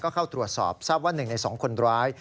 เข้าตรวจสอบทราบว่า๑ใน๒คนร้าย